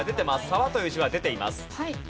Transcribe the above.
「沢」という文字は出ています。